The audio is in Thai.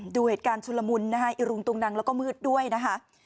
ดูเหตุการณ์ชุลมุนนะคะอิรุงตุงนังแล้วก็มืดด้วยนะคะ